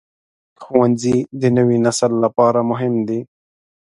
ښوونځی د نوي نسل لپاره مهم دی.